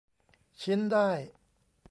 ชิ้นได้